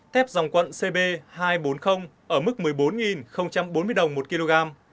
thép dòng quận cb hai trăm bốn mươi ở mức một mươi bốn bốn mươi đồng một kg